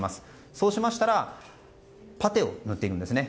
そうしましたらパテを塗っていくんですね。